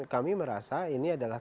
kami merasa ini adalah